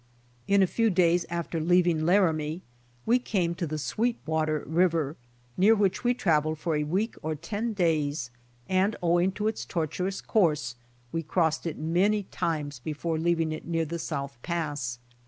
In a few days after leaving Laramie we came to the Sweetwater river, near which we traveled for a week or ten days and owing to its tortuous course w^e crossed it many times before leaving it near the South Pass.